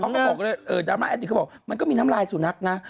เขาบอกเลยดราม่าแอดติกเขาบอกมันก็มีน้ำลายสุนัขนะ